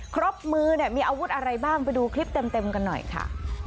ครบมือเนี่ยมีอาวุธอะไรบ้างไปดูคลิปเต็มกันหน่อยค่ะ